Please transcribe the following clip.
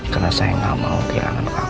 karena saya tidak mau kehilangan kamu